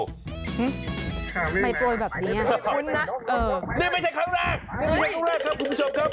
หึไปโปรยแบบนี้หรอนี่ไม่ใช่ครั้งแรกครับคุณผู้ชมครับ